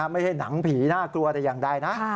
ไม่ใช่หนังผีน่ากลัวแต่อย่างใดนะ